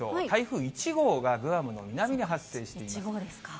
台風１号がグアムの南に発生しています。